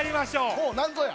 ほうなんぞや？